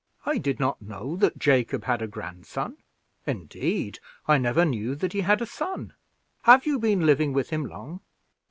"I did not know that Jacob had a grandson: indeed I never knew that he had a son. Have you been living with him long?"